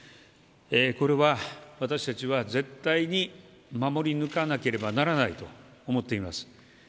これは私たちは絶対に守り抜かなければならないと思っています。